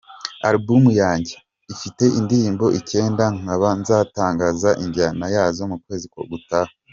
Album yanjye ifite indirimbo icyenda nkaba nzatangaza injyana yazo mu kwezi gutaha".